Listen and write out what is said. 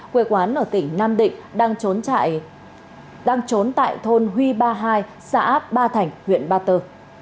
quê quán ở tỉnh nam định đang trốn tại thôn huy ba hai xã ba thành huyện ba tơ